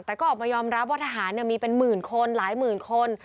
แต่ก็ออกมายอมรับว่าทหารมีเป็นหมื่นคนหลายหมื่นคน